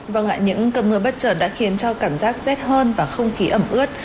vâng ạ những cơn mưa bất chợt đã khiến cho cảm giác rét hơn và không khí ẩm ướt